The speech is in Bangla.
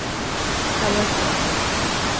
খাবার খাও।